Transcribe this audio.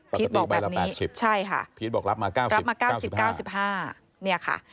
ปกติใบละ๘๐พีทบอกรับมา๙๐๙๕